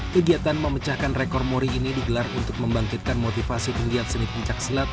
kegiatan memecahkan rekor muri ini digelar untuk membangkitkan motivasi penggiat seni pencak selat